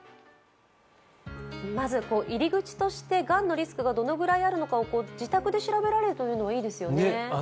まず入り口として、がんのリスクがどれぐらいあるのかを自宅で調べられるというのはいいですよね。